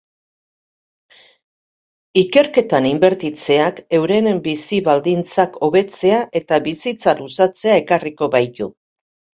Ikerketan inbertitzeak euren bizi-baldintzak hobetzea eta bizitza luzatzea ekarriko baitu.